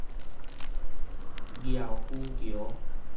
嶢龜橋